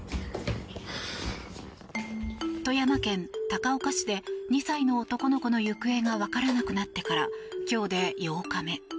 富山県高岡市で２歳の男の子の行方がわからなくなってから今日で８日目。